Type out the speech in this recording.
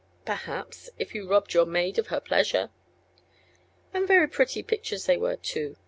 "Perhaps; if you robbed your maid of her pleasure." "And very pretty pictures they were, too.